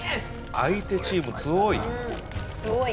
相手チームつおい